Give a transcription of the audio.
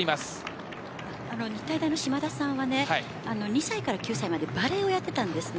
日体大の嶋田さんは２歳から９歳までバレエをやっていたんですね。